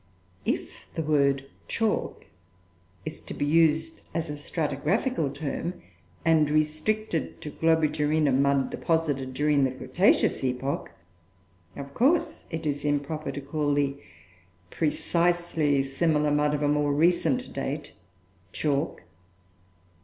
If the word "chalk" is to be used as a stratigraphical term and restricted to Globigerina mud deposited during the Cretaceous epoch, of course it is improper to call the precisely similar mud of more recent date, chalk.